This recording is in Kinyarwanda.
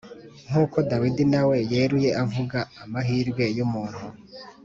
nk'uko Dawidi nawe yeruye avuga amahirwe y'umuntu,